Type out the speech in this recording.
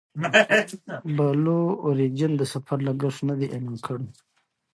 بلو اوریجن د سفر لګښت نه دی اعلان کړی.